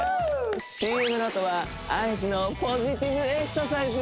ＣＭのあとはＩＧのポジティブエクササイズ